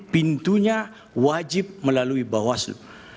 pintunya wajib melalui bawaslu